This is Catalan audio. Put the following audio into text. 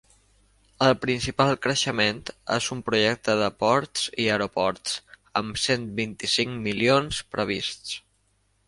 El principal creixement és en projectes de ports i aeroports, amb cent vint-i-cinc milions prevists.